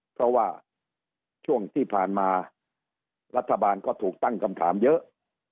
เพราะว่าช่วงที่ผ่านมารัฐบาลก็ถูกตั้งคำถามเยอะ